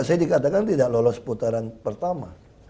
saya dikatakan tidak lolos putaran pertama